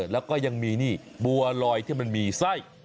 แล้วก็ยังมีนี่บัวลอยที่มันมีไส้